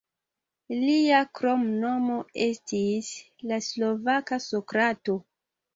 Lia kromnomo estis "la slovaka Sokrato".